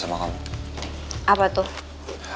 sama kamu apa tuh